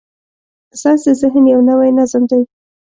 ساینس د ذهن یو نوی نظم دی.